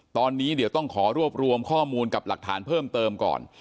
ตอนนี้เดี๋ยวต้องขอรวบรวมข้อมูลกับหลักฐานเพิ่มเติมก่อน